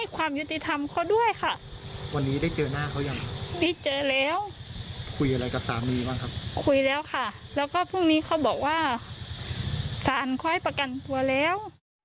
คุยแล้วค่ะแล้วก็พรุ่งนี้เขาบอกว่าสารเขาให้ประกันตัวแล้ว